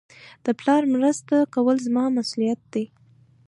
د پلار مرسته کول زما مسئولیت دئ.